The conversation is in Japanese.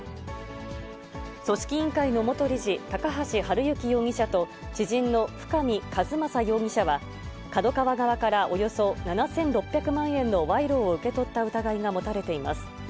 組織委員会の元理事、高橋治之容疑者と、知人の深見和政容疑者は、ＫＡＤＯＫＡＷＡ側からおよそ７６００万円の賄賂を受け取った疑いが持たれています。